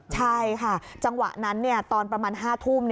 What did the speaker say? ใช่ค่ะจังหวะนั้นตอนประมาณ๕ทุ่ม